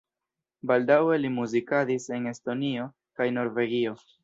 Baldaŭe li muzikadis en Estonio kaj Norvegio.